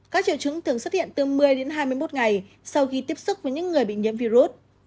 các triệu chứng thường xuất hiện từ một mươi đến hai mươi một ngày sau khi tiếp xúc với những người bị nhiễm virus